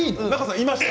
いました。